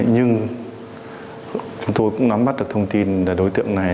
nhưng chúng tôi cũng nắm bắt được thông tin là đối tượng này